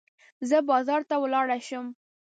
زه به بازار ته ولاړه شم.